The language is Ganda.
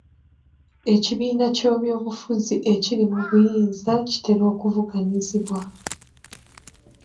Ekibiina ky'ebyobufuzi ekiri mu buyinza kitera okuvuganyizibwa.